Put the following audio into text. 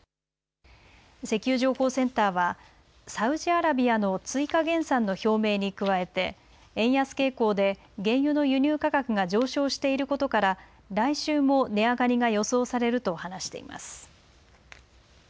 石油情報センターは、サウジアラビアの追加減産の表明に加えて、円安傾向で、原油の輸入価格が上昇していることから、来週も値上がりが予想されると話しています。